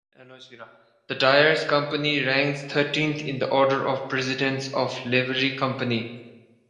The Dyers' Company ranks thirteenth in the order of precedence of Livery Companies.